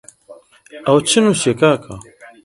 ئیدی خەبەرم لە عەزیز بڕا